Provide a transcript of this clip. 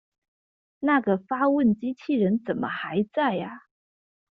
那個發問機器人怎麼還在阿